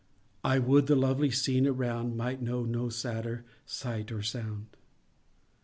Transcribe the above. I would the lovely scene around Might know no sadder sight nor sound.